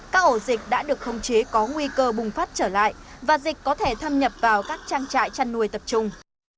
các ổ dịch đã được khống chế có nguy cơ bùng phát trở lại và dịch có thể thâm nhập vào các trang trại chăn nuôi tập trung